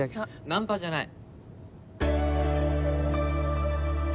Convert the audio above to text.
ナンパじゃない！